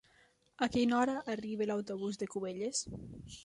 A quina hora arriba l'autobús de Cubelles?